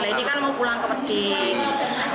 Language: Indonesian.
lagi kan mau pulang ke medin